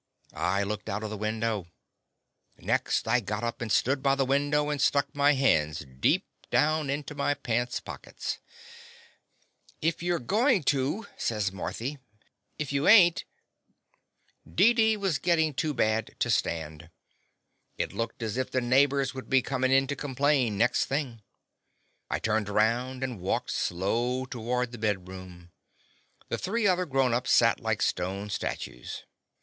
I looked out of the window. Next I got up and stood by the window and stuck my hands deep down into my pants pockets. . The Confessions of a Daddy "If you 're goin' to—" says Mar thy. "If you ain't—" Deedee was gittin' too bad to stand. It looked as if the neighbors would be comin' in to complain, next thing. I turned around and walked slow toward the bedroom. The three other grown ups sat like stone statures.